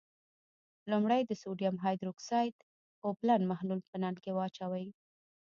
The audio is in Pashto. لومړی د سوډیم هایدرو اکسایډ اوبلن محلول په نل کې واچوئ.